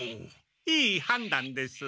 いいはんだんです。